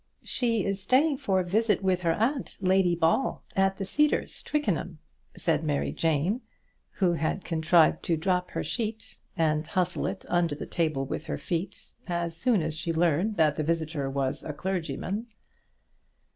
"She is staying for a visit with her aunt, Lady Ball, at the Cedars, Twickenham," said Mary Jane, who had contrived to drop her sheet, and hustle it under the table with her feet, as soon as she learned that the visitor was a clergyman.